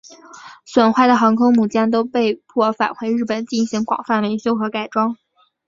损坏的航空母舰都被迫返回日本进行广泛维修和改装。